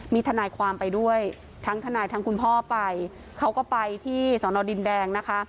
มีทนายความไปด้วยทั้งทนายทั้งคุณพ่อไปเขาก็ไปที่สอนอดินแดงนะคะ